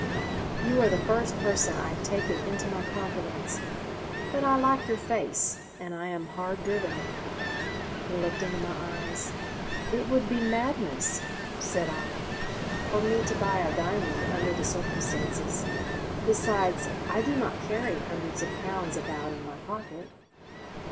You are the first person I have taken into my confidence. But I like your face and I am hard driven." He looked into my eyes. "It would be madness," said I, "for me to buy a diamond under the circumstances. Besides, I do not carry hundreds of pounds about in my pocket.